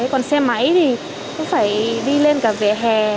còn xe máy thì cũng phải đi lên cả vỉa hè